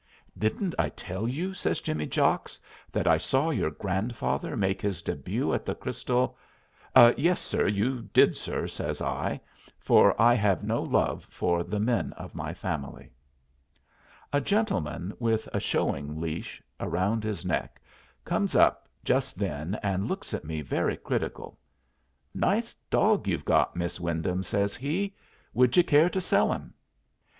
"Didn't I tell you," says Jimmy Jocks, "that I saw your grandfather make his début at the Crystal " "Yes, sir, you did, sir," says I, for I have no love for the men of my family. A gentleman with a showing leash around his neck comes up just then and looks at me very critical. "Nice dog you've got, Miss Wyndham," says he; "would you care to sell him?"